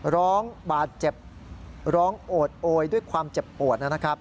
ร้องบาดเจ็บร้องโอดโอยด้วยความเจ็บปวดนะครับ